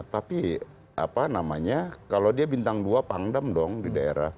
tapi apa namanya kalau dia bintang dua pangdam dong di daerah